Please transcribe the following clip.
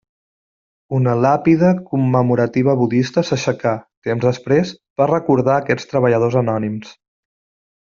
Una làpida commemorativa budista s'aixecà, temps després, per recordar aquests treballadors anònims.